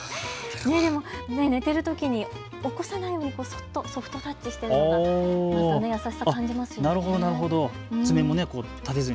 寝てるときに起こさないようにそっとソフトタッチしているのがまた優しさ感じますよね。